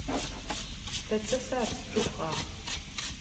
Ta d tasaɛet n tuffɣa.